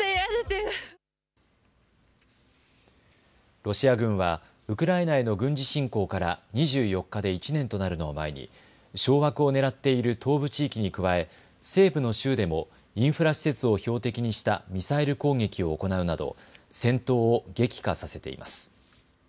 ロシア軍はウクライナへの軍事侵攻から２４日で１年となるのを前に掌握をねらっている東部地域に加え西部の州でもインフラ施設を標的にしたミサイル攻撃を行うなど戦闘を激化させています。